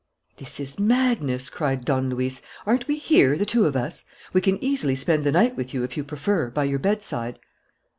"This is madness!" cried Don Luis. "Aren't we here, the two of us? We can easily spend the night with you, if you prefer, by your bedside."